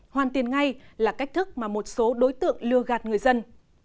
hoàn tiên ngay là cách thức mà một số đối tượng lừa gạt người dân